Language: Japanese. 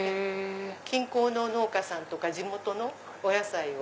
近郊の農家さんとか地元のお野菜を。